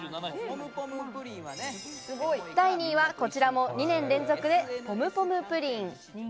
第２位はこちらも２年連続でポムポムプリン。